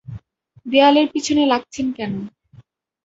দেয়ালের পিছনে লাগছেন কেন?